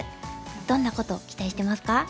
どんなことを期待してますか？